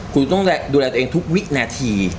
คุณต้องดูแลตัวเองทุกวินาที